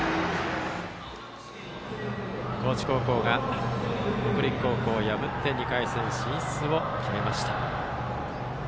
高知高校が北陸高校を破って２回戦進出を決めました。